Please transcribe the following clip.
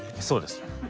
そうです。